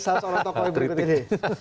salah seorang tokoh berikut ini